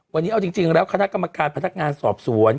วันนี้เอาจริงแล้วคณะกรรมการพนักงานสอบสวน